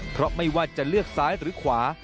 เพราะไม่ว่าจะเลือกซ้ายหรือขวา